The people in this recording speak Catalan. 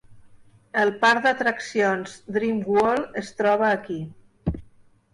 El parc d'atraccions Dream World es troba aquí.